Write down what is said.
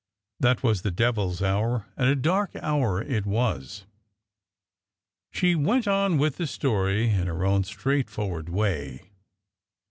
That was the devil's hour, and a dark hour it was." She went on with the story in her own straightforward way.